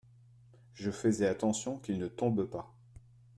Je faisais attention qu'il ne tombe pas.